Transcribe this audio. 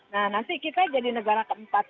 nah nanti kita jadi negara keempat aja gitu